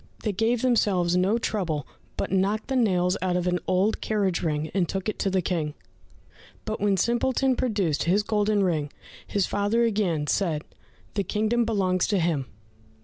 They gave themselves no trouble, but knocked the nails out of an old carriage ring, and took it to the King; but when Simpleton produced his golden ring, his father again said, "The kingdom belongs to him."